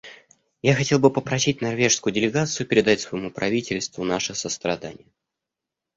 Я хотел бы попросить норвежскую делегацию передать своему правительству наши сострадания.